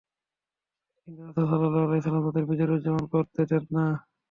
কিন্তু রাসূল সাল্লাল্লাহু আলাইহি ওয়াসাল্লাম তাদের বিজয় উদযাপন করতে দেন না।